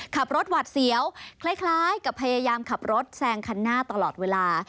ขับรถหวัดเสียวคล้ายกับพยายามขับรถแซงคันหน้าตลอดเวลา